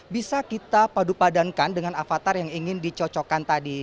bisa kita padupadankan dengan avatar yang ingin dicocokkan tadi